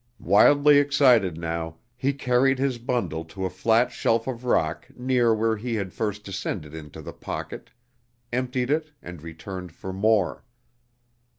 Wildly excited now, he carried his bundle to a flat shelf of rock near where he had first descended into "The Pocket," emptied it and returned for more.